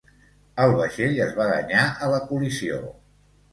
El vaixell es va danyar a la col·lisió.